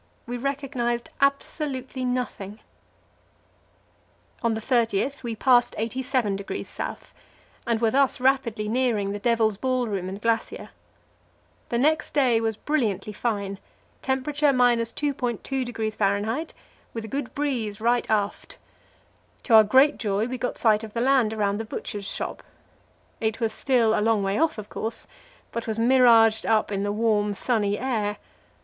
We recognized absolutely nothing. On the 30th we passed 87° S., and were thus rapidly nearing the Devil's Ballroom and Glacier. The next day was brilliantly fine temperature 2.2° F. with a good breeze right aft. To our great joy, we got sight of the land around the Butcher's Shop. It was still a long way off, of course, but was miraged up in the warm, sunny air.